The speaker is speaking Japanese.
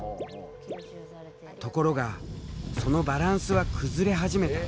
ところがそのバランスは崩れ始めた。